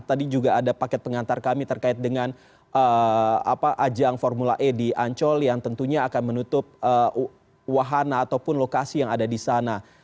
tadi juga ada paket pengantar kami terkait dengan ajang formula e di ancol yang tentunya akan menutup wahana ataupun lokasi yang ada di sana